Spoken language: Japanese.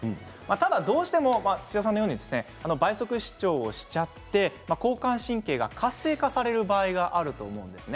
ただ、どうしても土屋さんのように倍速視聴をしちゃって交感神経が活性化される場合があると思うんですね。